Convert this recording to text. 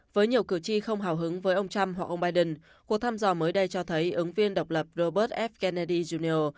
với nhiều cử tri không hào hứng với ông trump hoặc ông biden cuộc thăm dò mới đây cho thấy ứng viên độc lập robert f kennedy jr